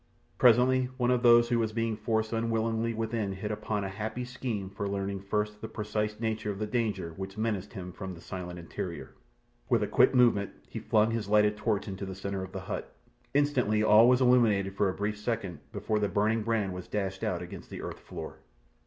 Presently one of those who was being forced unwillingly within hit upon a happy scheme for learning first the precise nature of the danger which menaced him from the silent interior. With a quick movement he flung his lighted torch into the centre of the hut. Instantly all within was illuminated for a brief second before the burning brand was dashed out against the earth floor.